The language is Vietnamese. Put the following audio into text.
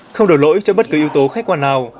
không đổi lỗi cho bất cứ yếu tố khách quan nào